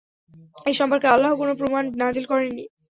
এ সম্পর্কে আল্লাহ্ কোন প্রমাণ নাজিল করেননি।